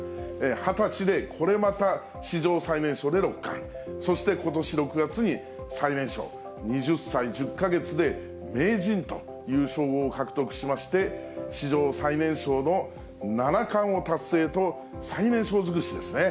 ２０歳でこれまた史上最年少で六冠、そしてことし６月に最年少、２０歳１０か月で名人という称号を獲得しまして、史上最年少の七冠を達成と、最年少尽くしですね。